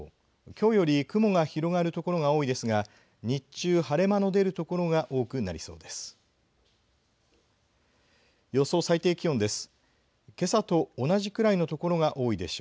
きょうより雲が広がる所が多いですが日中、晴れ間の出る所が多くなりそうです。